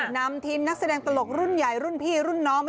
นำทีมนักแสดงตลกรุ่นใหญ่รุ่นพี่รุ่นน้อง